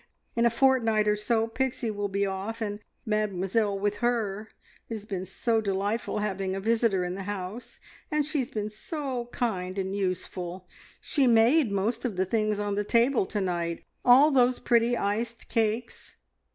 In a fortnight or so Pixie will be off, and Mademoiselle with her. It has been so delightful having a visitor in the house, and she has been so kind and useful. She made most of the things on the table to night, all those pretty iced cakes."